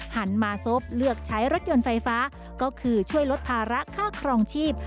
หันมาซบเลือกใช้รถยนต์ไฟฟ้าก็คือช่วยลดภาระค่าครองชีพ